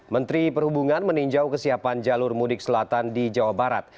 menteri perhubungan meninjau kesiapan jalur mudik selatan di jawa barat